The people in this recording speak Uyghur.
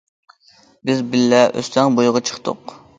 - بىز بىللە ئۆستەڭ بويىغا چىقتۇق.